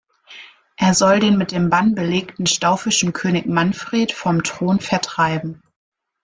Er soll den mit dem Bann belegten staufischen König Manfred vom Thron vertreiben.